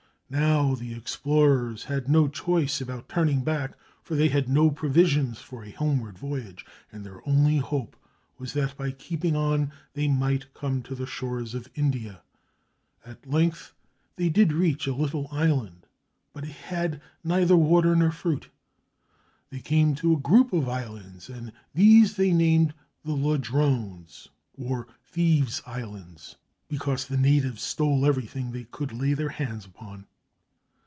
Now the explorers had no choice about turning back, for they had not provisions for a homeward voyage, and their only hope was that by keeping on they might come to the shores of India. At length they did reach a little island, but it had neither water nor fruit. They came to a group of islands, and these they named the Ladrones, or thieves' islands, be cause the natives stole everything they could lay their hands upon.